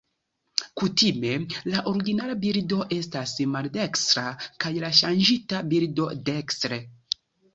Kutime, la originala bildo estas maldekstre, kaj la ŝanĝita bildo dekstre.